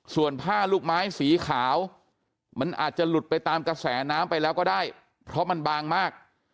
ส่วนผ้าลูกไม้สีขาวมันอาจจะหลุดไปตามกระแสน้ำไปแล้วก็ได้เพราะมันบางมาก